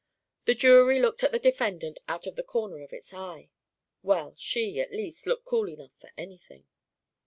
The jury looked at the defendant out of the corner of its eye. Well, she, at least, looked cool enough for anything.